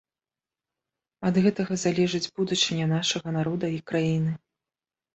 Ад гэтага залежыць будучыня нашага народа і краіны.